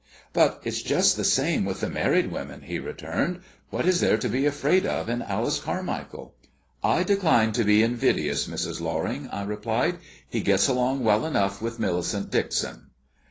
"But it's just the same with the married women," she returned. "What is there to be afraid of in Alice Carmichael?" "I decline to be invidious, Mrs. Loring," I replied. "He gets along well enough with Millicent Dixon."